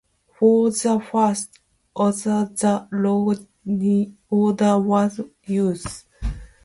For the first order, the Ionic order was used.